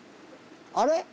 あれ？